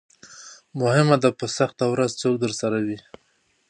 مهمه ده په سخته ورځ څوک درسره وي.